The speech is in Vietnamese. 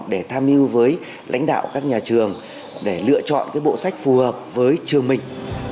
để tham mưu với lãnh đạo các nhà trường để lựa chọn bộ sách phù hợp với trường mình